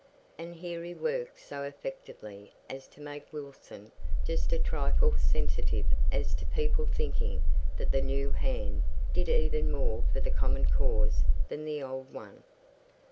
And here he worked so effectively as to make Wilson just a trifle sensitive as to people thinking that the new hand did even more for the common cause than the old one.